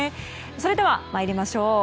それでは参りましょう。